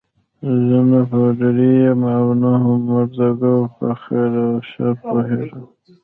زه نه پوډري یم او نه هم مرده ګو، په خیر او شر پوهېږم.